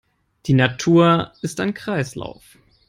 Die Natur ist ein Kreislauf.